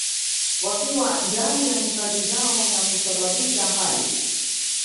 wakiwa ndani ya hifadhi zao na kusababisha hali